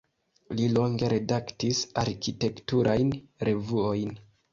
Li longe redaktis arkitekturajn revuojn.